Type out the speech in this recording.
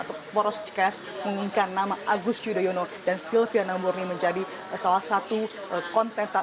atau poros cks mengumumkan nama agus yudhoyono dan silvia namburni menjadi salah satu konteks